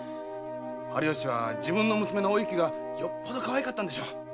春芳は自分の娘のお雪がよほどかわいかったんでしょう。